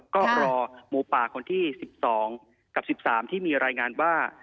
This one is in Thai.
ก็รอหมูป่าคนที่๑๒กับ๑๓ที่มีรายงานว่า